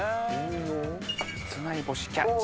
室内干しキャッチ。